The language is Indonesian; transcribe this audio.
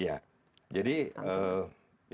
iya jadi yang pertama